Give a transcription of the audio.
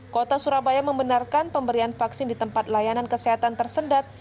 kota surabaya membenarkan pemberian vaksin di tempat layanan kesehatan tersendat